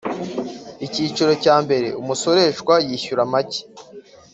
Icyiciro cya mbere Umusoreshwa yishyura macye